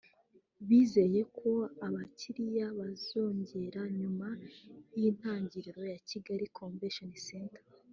bizeye ko abakiliya baziyongera nyuma y’itangira rya Kigali Convention Centre